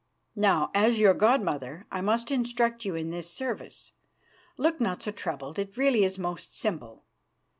Now, as your god mother, I must instruct you in this service. Look not so troubled; it is really most simple.